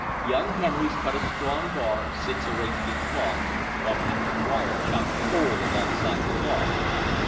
Young Henrys cut a strong bar six or eight feet long, while Pat McGuire chopped a hole alongside the log.